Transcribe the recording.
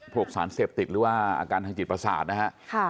พวกสารเสพติดหรือว่าอาการทางจิตประสาทนะฮะ